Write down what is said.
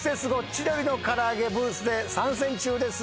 千鳥のからあげブースで参戦中です。